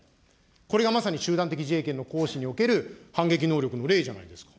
これがまさに集団的自衛権の行使における反撃能力の例じゃないですか。